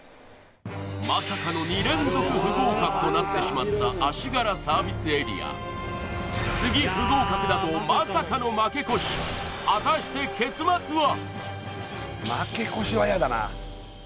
まさかの２連続不合格となってしまった足柄ＳＡ次不合格だとまさかの負け越し果たして結末は！？